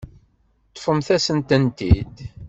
Ṭṭfemt-asent-tent-id.